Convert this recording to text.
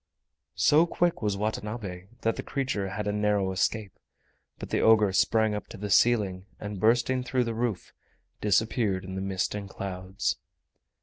So quick was Watanabe that the creature had a narrow escape. But the ogre sprang up to the ceiling, and bursting through the roof, disappeared in the mist and clouds.